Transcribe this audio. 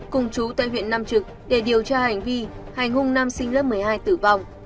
cùng chú tại huyện nam trực để điều tra hành vi hành hung nam sinh lớp một mươi hai tử vong